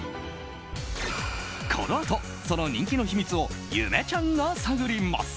この後、その人気の秘密をゆめちゃんが探ります。